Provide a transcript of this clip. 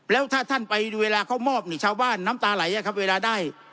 แล้วถ้าท่านไปเวลาเขามอบนี่ชาวบ้านน้ำตาไหลอะครับเวลาได้